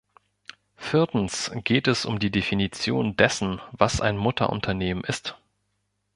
Viertens geht es um die Definition dessen, was ein Mutterunternehmen ist.